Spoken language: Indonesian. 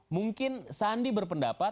mungkin sandi berpendapat